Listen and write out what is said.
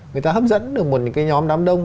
người ta hấp dẫn được một cái nhóm đám đông